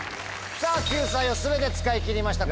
さぁ救済を全て使い切りました